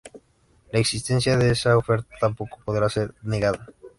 La existencia de esa oferta tampoco podrá ser negada.